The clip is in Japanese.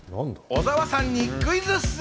小澤さんにクイズッス！